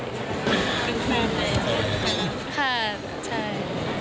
ค่ะใช่